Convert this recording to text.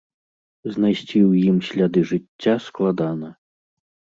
Знайсці ў ім сляды жыцця складана.